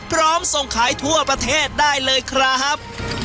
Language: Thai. ส่งขายทั่วประเทศได้เลยครับ